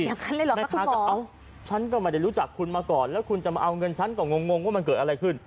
อย่างนั้นเลยเหรอแม่ค้าก็เอ้าฉันก็ไม่ได้รู้จักคุณมาก่อนแล้วคุณจะมาเอาเงินฉันก็งงงว่ามันเกิดอะไรขึ้น